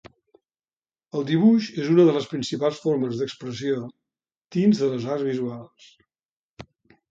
El dibuix és una de les principals formes d'expressió dins de les arts visuals.